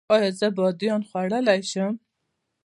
ایا زه بادیان خوړلی شم؟